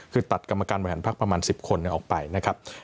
คือตัดกรรมการบริหารพักประมาณ๑๐คนออกไปนะครับ